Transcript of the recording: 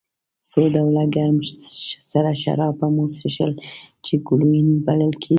څو ډوله ګرم سره شراب به مو څښل چې ګلووېن بلل کېدل.